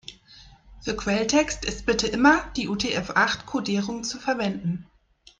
Für Quelltext ist bitte immer die UTF-acht-Kodierung zu verwenden.